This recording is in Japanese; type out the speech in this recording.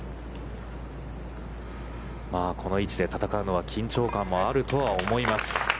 この位置で戦うのは緊張感もあるとは思います。